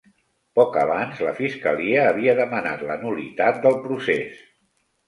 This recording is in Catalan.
Poc abans, la fiscalia havia demanat la nul·litat del procés.